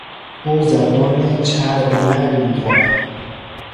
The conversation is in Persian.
او زبان چرب و نرمی دارد.